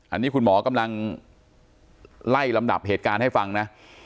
อันนี้คุณหมอกำลังไล่ลำดับเหตุการณ์ให้ฟังนะ